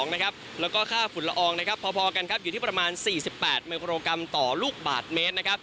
แล้วก็ค่าฝุ่นละอองพอกันอยู่ที่ประมาณ๔๘มิโครกรัมต่อลูกบาทเมตร